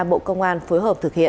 bộ công an phối hợp thực hiện